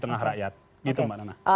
lebih luas di tengah rakyat